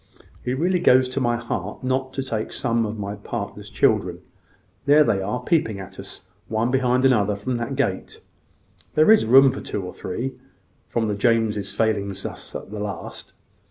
It really goes to my heart not to take some of my partner's children. There they are, peeping at us, one head behind another, from that gate. There is room for two or three, from the Jameses failing us at the last.